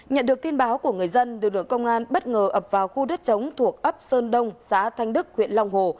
nhận được tin báo của người dân lực lượng công an bất ngờ ập vào khu đất chống thuộc ấp sơn đông xã thanh đức huyện long hồ